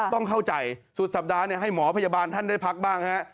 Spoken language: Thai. ต้องเข้าใจสุดสัปดาห์ให้หมอพยาบาลท่านได้พักบ้างฮะ